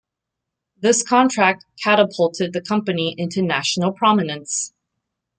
This contract catapulted the company into national prominence.